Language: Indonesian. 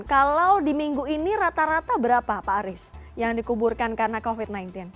kalau di minggu ini rata rata berapa pak aris yang dikuburkan karena covid sembilan belas